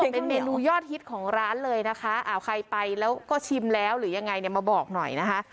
เป็นเมนูยอดฮิตของร้านเลยนะคะใครไปแล้วก็ชิมแล้วหรือยังไงเนี่ยมาบอกหน่อยนะคะ